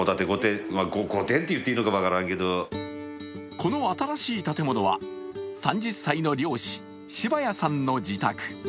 この新しい建物は３０歳の漁師、柴谷さんの自宅。